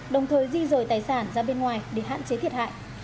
đồng thời di rời tài sản ra bên ngoài để hạn chế thiệt hại